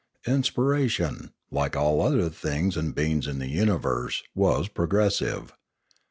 Inspiration, like all other things and beings in the universe, was progressive.